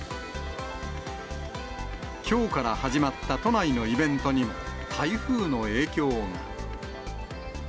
きょうから始まった都内のイベントにも、台風の影響が。